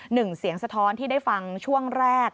หนึ่งเสียงสะท้อนที่ได้ฟังช่วงแรก